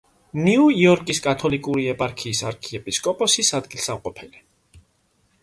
ნიუ-იორკის კათოლიკური ეპარქიის არქიეპისკოპოსის ადგილსამყოფელი.